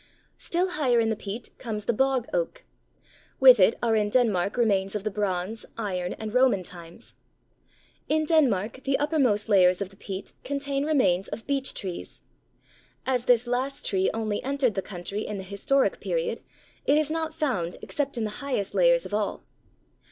Still higher in the peat comes the Bog Oak. With it are in Denmark remains of the Bronze, Iron, and Roman times. In Denmark the uppermost layers of the peat contain remains of Beech trees. As this last tree only entered the country in the historic period, it is not found except in the highest layers of all.